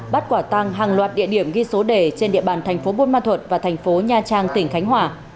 bắt quả tăng hàng loạt địa điểm ghi số đề trên địa bàn tp bôn ma thuật và tp nha trang tỉnh khánh hòa